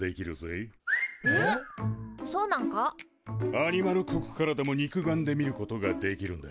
アニマル国からでも肉眼で見ることができるんだ。